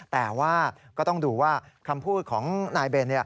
แต่ว่าก็ต้องดูว่าคำพูดของนายเบน